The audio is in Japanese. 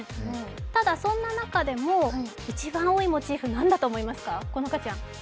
ただそんな中でも一番多いモチーフ何だと思いますか？